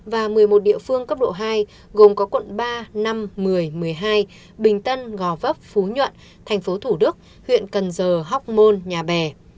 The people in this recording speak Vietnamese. và một mươi một địa phương cấp độ hai gồm có quận ba năm một mươi một mươi hai bình tân ngò vấp phú nhuận tp thủ đức huyện cần giờ học môn nhà bè